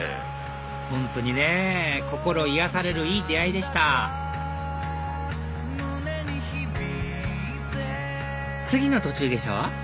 本当にね心癒やされるいい出会いでした次の途中下車は？